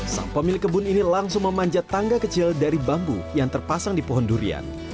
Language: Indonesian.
sang pemilik kebun ini langsung memanjat tangga kecil dari bambu yang terpasang di pohon durian